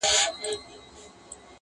ګراني افغاني زما خوږې خورکۍ-